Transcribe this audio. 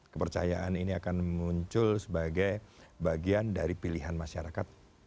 kepercayaan ini akan muncul sebagai bagian dari pilihan masyarakat